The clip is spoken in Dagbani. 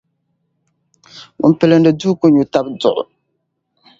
Ŋun pilindi duu ku nyu tabaduɣu.